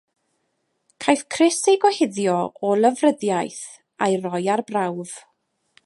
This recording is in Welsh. Caiff Chris ei gyhuddo o lofruddiaeth a'i roi ar brawf.